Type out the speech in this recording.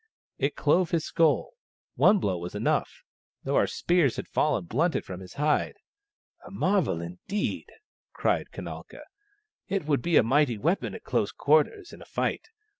" It clove his skull — one blow was enough, though our spears had fallen blunted from his hide." " A marvel, indeed !" cried Kanalka. " It would be a mighty weapon at close quarters in a fight.